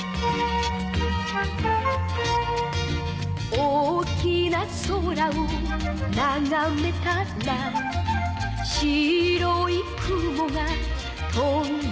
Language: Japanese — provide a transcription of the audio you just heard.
「大きな空をながめたら」「白い雲が飛んでいた」